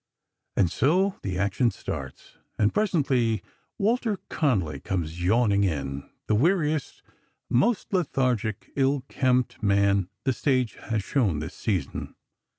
And so the action starts, and presently Walter Connolly comes yawning in, the weariest, most lethargic, ill kempt man the stage has shown this season.